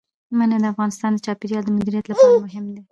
منی د افغانستان د چاپیریال د مدیریت لپاره مهم دي.